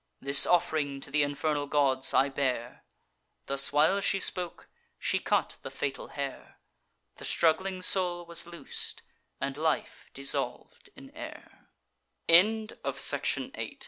This off'ring to th' infernal gods I bear." Thus while she spoke, she cut the fatal hair: The struggling soul was loos'd, and life dissolv'd in air. BOOK V THE ARGUMENT.